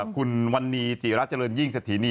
คุณวันนี้จิระเจริญยิ่งสถินี